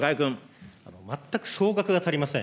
全く総額が足りません。